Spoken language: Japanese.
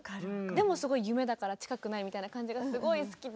でもすごい夢だから近くないみたいな感じがすごい好きで。